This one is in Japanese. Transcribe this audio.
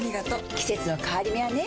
季節の変わり目はねうん。